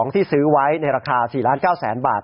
ที่ซื้อไว้ในราคา๔๙๐๐๐บาท